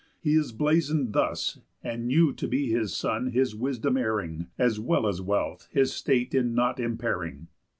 He is blazon'd thus; And you to be his son, his wisdom heiring, As well as wealth, his state in nought impairing.